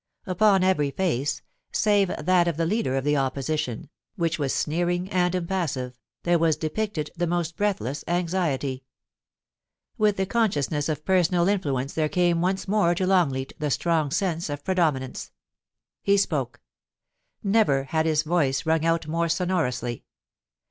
Upon every face, save that of the leader of the Opposition, which was sneering and impassive, there was depicted the most breathless anxiety. With the consciousness of personal influence there came once more to Longleat the strong sense of predominance. He spoke. Never had his voice rung out more sonorously.